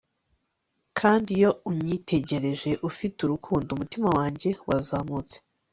kandi iyo unyitegereje ufite urukundo, umutima wanjye wazamutse